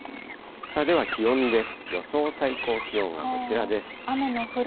では気温です。